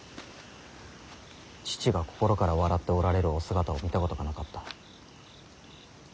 父が心から笑っておられるお姿を見たことがなかった。